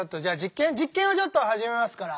実験をちょっと始めますから。